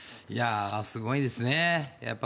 すごいですね。